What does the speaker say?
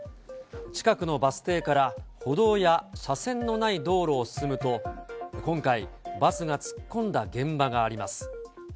近くのバス停から歩道や車線のない道路を進むと、今回、バスが突っ込んだ現場があります。